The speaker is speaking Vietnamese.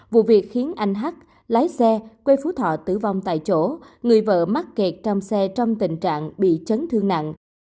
vụ việc khiến anh hát lái xe quê phú thọ tử vong tại chỗ người vợ mắc kẹt trong xe trong tình trạng bị chấn thương nặng